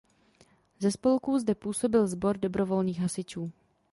Ze spolků zde působil sbor dobrovolných hasičů.